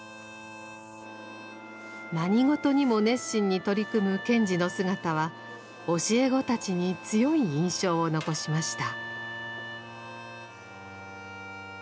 何事にも熱心に取り組む賢治の姿は教え子たちに強い印象を残しました。